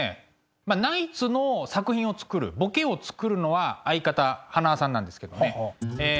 ナイツの作品をつくるボケをつくるのは相方塙さんなんですけどねえ